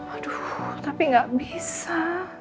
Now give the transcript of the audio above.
aduh tapi gak bisa